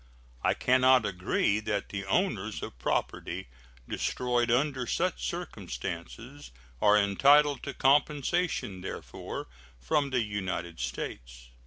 I can not agree that the owners of property destroyed under such circumstances are entitled to compensation therefor from the United States.